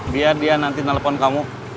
biar dia nanti nelfon kamu